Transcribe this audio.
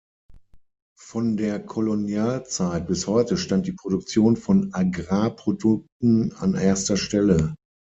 Von der Kolonialzeit bis heute stand die Produktion von Agrarprodukten an erster Stelle.